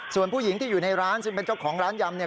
ส่วนผู้หญิงที่อยู่ในร้านซึ่งเป็นเจ้าของร้านยำเนี่ย